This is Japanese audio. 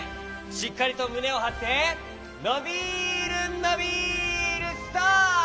しっかりとむねをはってのびるのびるストップ！